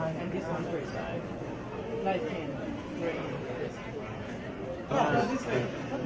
อันนี้คือ๑จานที่คุณคุณค่อยอยู่ด้านข้างข้างนั้น